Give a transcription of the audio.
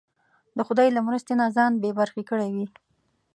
د خدای له مرستې نه ځان بې برخې کړی وي.